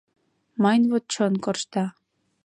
— Мыйын вот чон коршта.